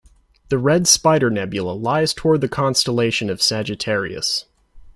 The Red Spider Nebula lies toward the constellation of Sagittarius.